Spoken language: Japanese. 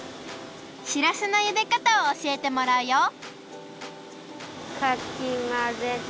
しらすのゆでかたをおしえてもらうよかきまぜて。